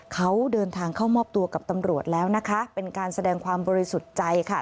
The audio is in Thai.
เขาเดินทางเข้ามอบตัวกับตำรวจแล้วนะคะเป็นการแสดงความบริสุทธิ์ใจค่ะ